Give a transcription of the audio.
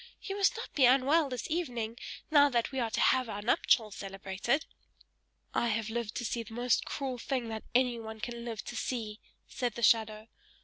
You must not be unwell this evening, now that we are to have our nuptials celebrated." "I have lived to see the most cruel thing that anyone can live to see!" said the shadow.